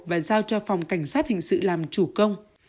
và giao cho phòng cảnh sát hình sự làm chủ công